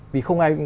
vì không ai